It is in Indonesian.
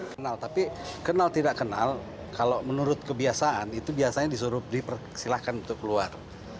kenal tapi kenal tidak kenal kalau menurut kebiasaan itu biasanya disuruh dipersilahkan untuk keluar